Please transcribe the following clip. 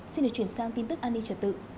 xin được chuyển sang tin tức ani trà tự